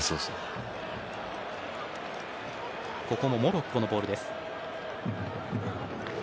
モロッコのボールです。